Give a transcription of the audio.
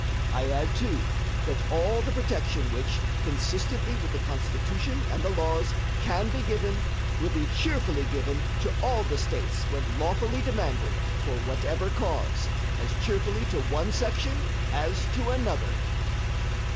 I add, too, that all the protection which, consistently with the Constitution and the laws, can be given, will be cheerfully given to all the States when lawfully demanded, for whatever cause as cheerfully to one section as to another.